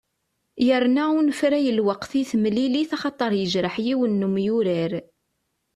Yerna unefray lweqt i temlilit axaṭer yejreḥ yiwen n umyurar.